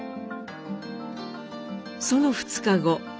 その２日後。